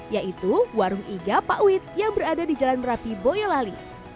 yaitu warung iga pak wit yang berada di jalan merapi boyolali